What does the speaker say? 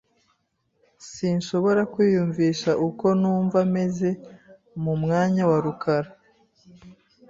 Sinshobora kwiyumvisha uko numva meze mu mwanya wa rukara .